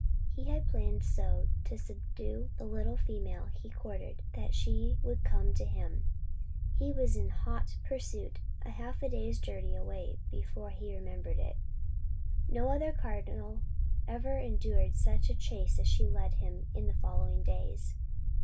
He had planned so to subdue the little female he courted that she would come to him; he was in hot pursuit a half day's journey away before he remembered it. No other cardinal ever endured such a chase as she led him in the following days.